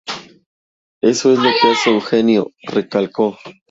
Eso es lo que la hace un genio, recalcó.